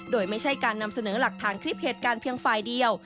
โดยไม่ใช่การนำเสนอหลักฐานคลิปเหตุการณ์เพียงฝ่ายเดียว